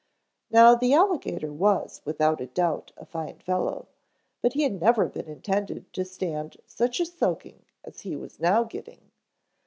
Now the alligator was without a doubt a fine fellow, but he had never been intended to stand such a soaking as he was now getting.